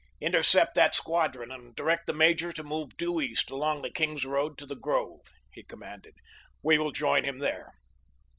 "Intercept that squadron and direct the major to move due east along the King's Road to the grove," he commanded. "We will join him there."